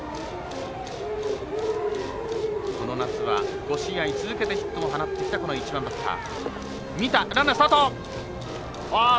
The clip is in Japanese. この夏は、５試合続けてヒットを放ってきた１番バッター。